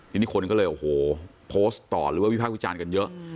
ทีนี้คนก็เลยโอ้โหโพสต์ต่อหรือว่าวิภาควิจารณ์กันเยอะ